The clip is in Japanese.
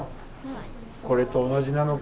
これと同じなのか？